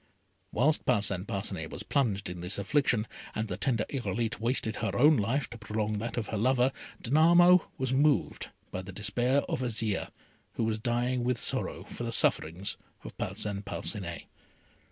Whilst Parcin Parcinet was plunged in this affliction, and the tender Irolite wasted her own life to prolong that of her lover, Danamo was moved by the despair of Azire, who was dying with sorrow for the sufferings of Parcin Parcinet.